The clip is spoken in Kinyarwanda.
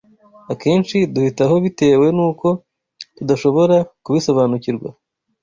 akenshi duhitaho bitewe n’uko tudashobora kubisobanukirwa